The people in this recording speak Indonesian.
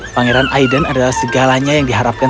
pangeran aiden adalah segalanya yang diharapkan